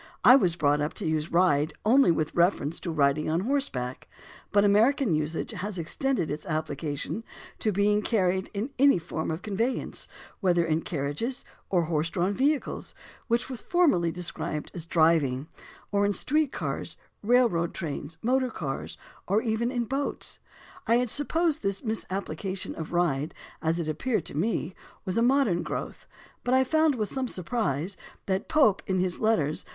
I was brought up to use "ride" only with reference to riding on horseback, but American usage has extended its application to being carried in any form of con veyance, whether in carriages or horse drawn vehicles, 256 THE ORIGIN OF CERTAIN AMERICANISMS which was formerly described as "driving," or in street cars, railroad trains, motor cars, or even in boats. I had supposed this misapplication of "ride" as it ap peared to me was a modern growth, but I found with some surprise that Pope in his letters (vol.